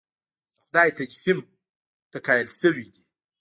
د خدای تجسیم ته قایل شوي دي.